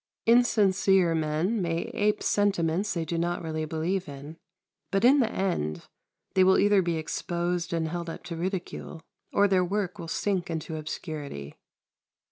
Insincere men may ape sentiments they do not really believe in; but in the end they will either be exposed and held up to ridicule, or their work will sink into obscurity.